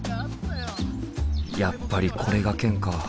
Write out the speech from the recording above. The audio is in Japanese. やっぱりこれがケンか。